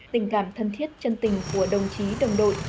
tình cảm thân thiết chân tình của đồng chí đồng đội